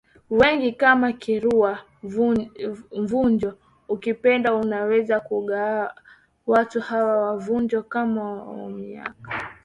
wengi kama Kirua Vunjo Ukipenda unaweza kuwagawa watu hawa wa Vunjo kama WaMwika